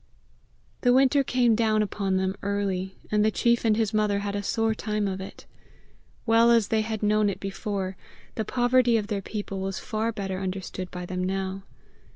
The winter came down upon them early, and the chief and his mother had a sore time of it. Well as they had known it before, the poverty of their people was far better understood by them now.